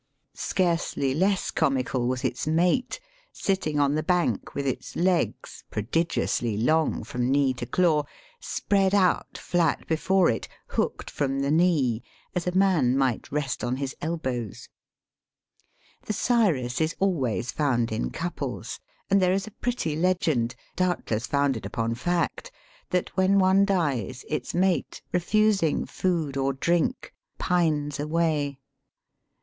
Scarcely less comical was its mate, sitting on the bank with its legs, pro Digitized by VjOOQIC 234 EAST BY WEST. digiously long from knee to claw, spread out flat before it, hooked from the knee, as a man might rest on his elbows* The sirus is always found in couples, and there is a pretty legend, doubtless founded upon fact, that when one dies, its mate, refusing food or drink, pines away.